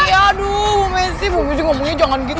iya aduh bu messi bu messi ngomongnya jangan gitu